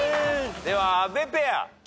では阿部ペア。